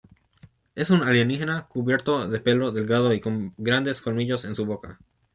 Es un alienígena cubierto de pelo, delgado y con grandes colmillos en su boca.